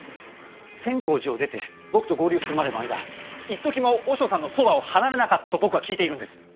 千光寺を出て僕と合流するまでの間いっときも和尚さんのそばを離れなかったと僕は聞いているんです。